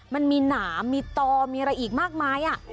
มันมีหนามีต่อมีอะไรอีกมากมาย